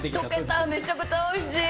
めちゃくちゃおいしい！